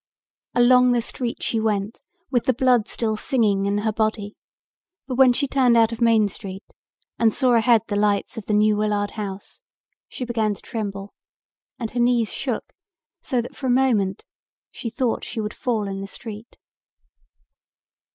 Along the street she went with the blood still singing in her body, but when she turned out of Main Street and saw ahead the lights of the New Willard House, she began to tremble and her knees shook so that for a moment she thought she would fall in the street.